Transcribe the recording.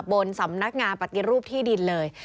บนสำนักงานปฏิรูปที่ดินเลย